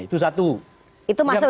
itu satu itu masuk